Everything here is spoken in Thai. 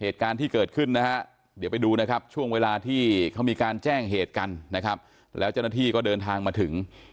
เหตุการณ์ที่เกิดขึ้นนะฮะเดี๋ยวไปดูนะครับช่วงเวลาที่เขามีการแจ้งเหตุกันนะครับแล้วเจ้าหน้าที่ก็เดินทางมาถึง